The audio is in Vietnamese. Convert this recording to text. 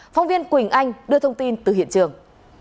phóng viên quỳnh anh đưa thông tin từ hiện trường